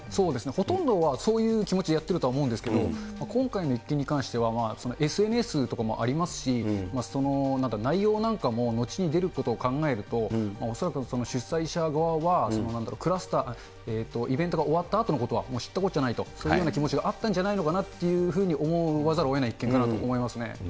ほとんどはそういう気持ちでやってるとは思いますけれども、今回の一件に関しては、ＳＮＳとかもありますし、内容なんかも後に出ることを考えると、恐らく主催者側は、クラスター、イベントが終わったあとのことはもう知ったこっちゃないと、そういうふうな気持ちがあったんじゃないのかなというふうな思わざるをえない一件かなと思いますね。